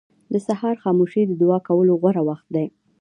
• د سهار خاموشي د دعا کولو غوره وخت دی.